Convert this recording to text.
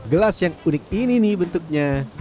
gelas yang unik ini nih bentuknya